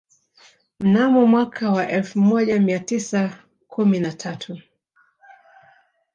Mnamo mwaka wa elfu moja mia tisa kumi na tatu